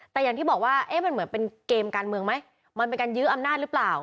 แต่อย่างที่บอกว่าเอ๊ะมันเหมือนเป็นเกมการเมืองไหมมันเป็นการยื้ออำนาจหรือเปล่า